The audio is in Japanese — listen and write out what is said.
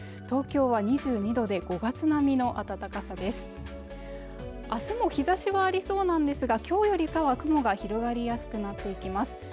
東京は２２度で５月並みの暖かさです明日も日差しはありそうなんですがきょうよりは雲が広がりやすくなっていきます